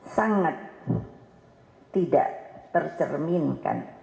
sangat tidak tercerminkan